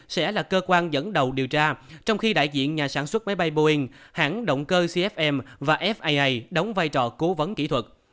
sẽ là cơ quan dẫn đầu điều tra trong khi đại diện nhà sản xuất máy bay boeing hãng động cơ cfm và faa đóng vai trò cố vấn kỹ thuật